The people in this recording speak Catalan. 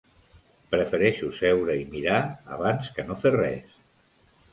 Prefereixo seure i mirar abans que no fer res.